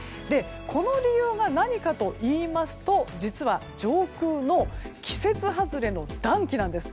この理由が何かといいますと実は上空の季節外れの暖気なんです。